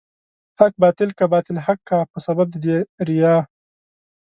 حق باطل کا، باطل حق کا په سبب د دې ريا